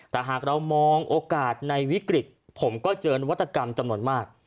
แต่หากเรามองโอกาสในวิกฤตผมก็เจอนวัตกรรมจำนวนมาก